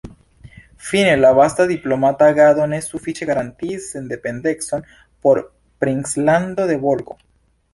Fine la vasta diplomata agado ne sufiĉe garantiis sendependecon por princlando de Bolko.